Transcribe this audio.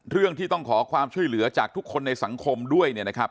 เรื่องที่ต้องขอความช่วยเหลือจากทุกคนในสังคมด้วยเนี่ยนะครับ